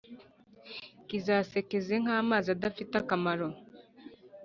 kizaseseke nk’amazi adafite akamaro.